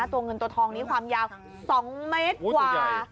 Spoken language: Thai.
ตัวเงินตัวทองนี้ความยาว๒เมตรกว่า